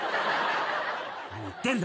何言ってんだ。